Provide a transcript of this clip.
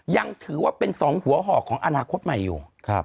ยังถือว่าเป็น๒หัวห่อของอนาคตใหม่อยู่